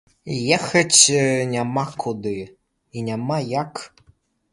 Ехаць няма куды і няма як.